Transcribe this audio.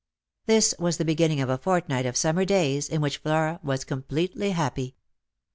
This was the beginning of a fortnight of summer days, in which Flora was completely happy.